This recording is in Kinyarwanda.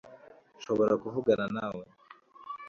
Nshobora kuvugana nawe